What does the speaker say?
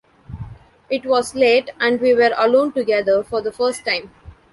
It was late, and we were alone together — for the first time.